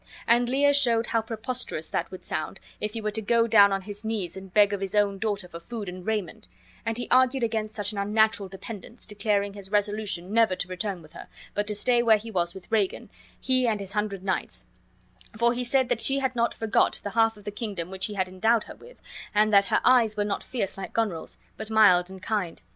And Lear showed how preposterous that would sound, if he were to go down on his knees and beg of his own daughter for food and raiment; and he argued against such an unnatural dependence, declaring his resolution never to return with her, but to stay where he was with Regan, he and his hundred knights; for he said that she had not forgot the half of the kingdom which he had endowed her with, and that her eyes were not fierce like Goneril's, but mild and kind.